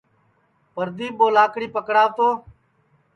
پردیپ ٻو لاکڑی پکڑاو تو